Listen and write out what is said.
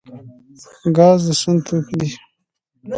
ګاز د سون توکی دی